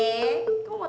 jangan gitu dong